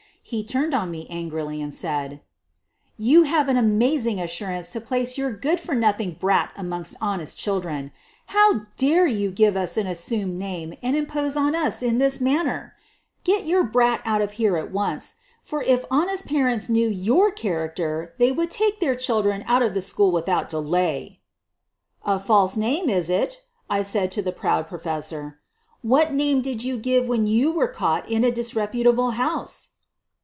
He turned on me angrily, and said: "You have an amazing assurance to place your .good for nothing brat among honest children. How dare you give us an assumed name and impose on us in this manner? Get your brat out of here at once, for if honest parents knew your character QUEEN OF THE BURGLARS 25 they would take their children out of the school without delay.' * "A false name, is it?" I said to the proud pro fessor. "What name did you give when you were caught in a disreputable house?"